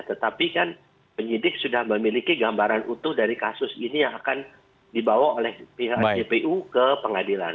tetapi kan penyidik sudah memiliki gambaran utuh dari kasus ini yang akan dibawa oleh pihak jpu ke pengadilan